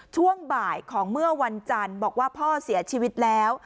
ช่วงบ่ายของเมื่อวันจันทร์บอกว่าพ่อเสียชีวิตแล้ว